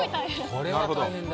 これは大変だ。